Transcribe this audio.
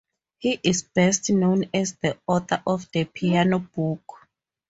He is best known as the author of "The Piano Book".